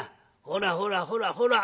ほらほらほらほら。